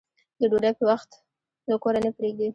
د ډوډۍ په وخت له کوره نه پرېږدي.